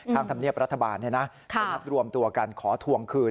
ข้างธรรมเนียบประธบาลมารับรวมตัวกันขอถวงคืน